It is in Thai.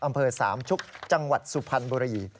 อำเภอสามชุกจังหวัดสุพรรณบุรี